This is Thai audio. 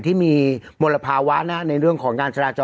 ที่มีมลภาวะในเรื่องของการจราจร